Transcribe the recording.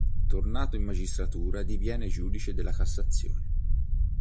Tornato in magistratura diviene giudice della Cassazione.